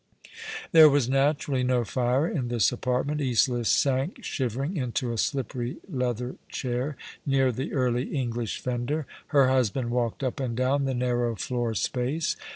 There was naturally no fire in this apartment. Isola sank shivering into a slippery leather chair, near the Early English fender ; her husband walked up and down the narrow floor space.